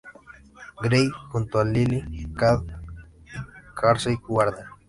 Grey", junto a Lily Cade y Kasey Warner.